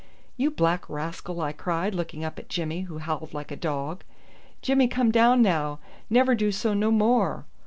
"You black rascal!" I cried, looking up at Jimmy, who howled like a dog. "Jimmy come down now! Never do so no more."